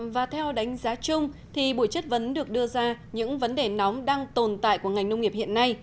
và theo đánh giá chung thì buổi chất vấn được đưa ra những vấn đề nóng đang tồn tại của ngành nông nghiệp hiện nay